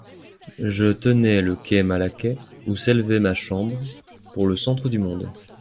Je tenais le quai Malaquais, ou s'élevait ma chambre, pour le centre du monde.